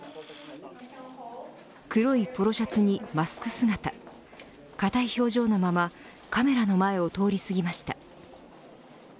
黒いポロシャツにマスク姿固い表情のままカメラの前を通り過ぎました。